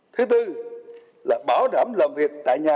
thứ tư là bảo đảm làm việc tại nhà